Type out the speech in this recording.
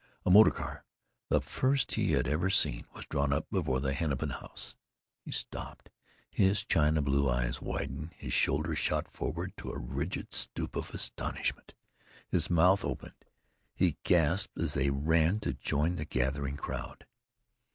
A motor car, the first he had ever seen, was drawn up before the Hennepin House. He stopped. His china blue eyes widened. His shoulders shot forward to a rigid stoop of astonishment. His mouth opened. He gasped as they ran to join the gathering crowd.